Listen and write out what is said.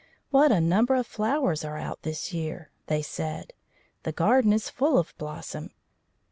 "What a number of flowers are out this year!" they said. "The garden is full of blossom."